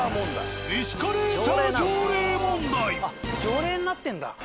あっ条例になってんだ。